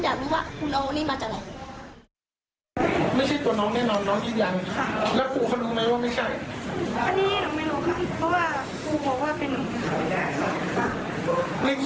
ในคลิปนี้เห็นหน้าไหม